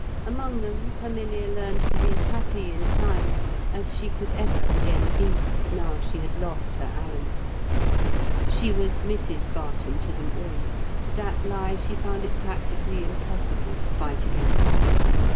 Among them Herminia learned to be as happy in time as she could ever again be, now she had lost her Alan. She was Mrs Barton to them all; that lie she found it practically impossible to fight against.